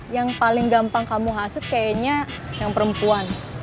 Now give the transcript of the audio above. yang paling gampang kamu hasut kayaknya yang perempuan